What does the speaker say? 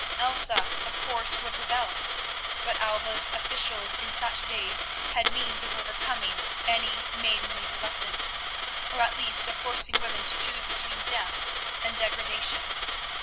Elsa, of course, would rebel, but Alva's officials in such days had means of overcoming any maidenly reluctance, or at least of forcing women to choose between death and degradation.